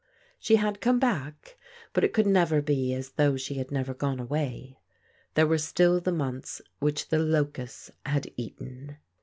She had come back, but it could never be as though she had never gone away. There were still the months which the locusts had eaten.